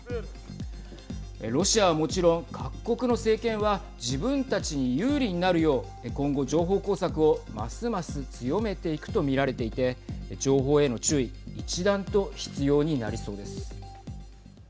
ロシアはもちろん、各国の政権は自分たちに有利になるよう今後、情報工作をますます強めていくと見られていて情報への注意一段と必要になりそうです。